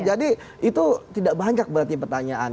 jadi itu tidak banyak berarti pertanyaan